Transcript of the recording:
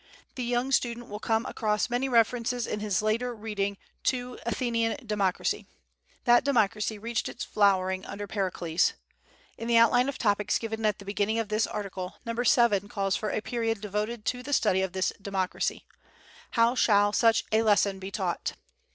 The young student will come across many references in his later reading to Athenian democracy. That democracy reached its flowering under Pericles. In the outline of topics given at the beginning of this article, number 7 calls for a period devoted to the study of this democracy. How shall such a lesson be taught?